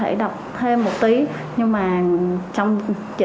để tặng để tự phân phối